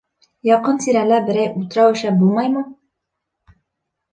Яҡын-тирәлә берәй утрау эшләп булмаймы?